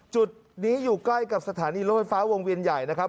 จุดนี้อยู่ใกล้กับสถานีรถไฟฟ้าวงเวียนใหญ่นะครับ